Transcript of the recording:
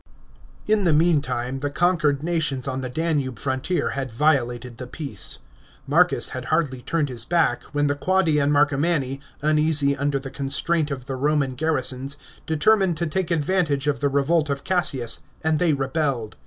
§ 17. In the meantime the conquered nations on the Danube frontier had violated the peace. Marcus had hardly turned his back, when the Quadi and Marcomanni, uneasy under the con straint of the Roman garrisons, determined to take advantage of the revolt of Cassius, and they rebelled.